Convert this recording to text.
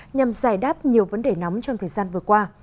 nhằm giải đáp nhiều vấn đề nóng trong thời gian vừa qua